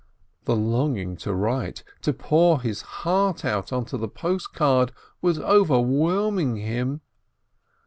The longing to write, to pour out his heart on to the post card, was overwhelming him.